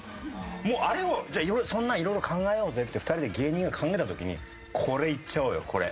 もうあれをそんなの色々考えようぜって２人で芸人が考えた時に「これいっちゃおうよこれ。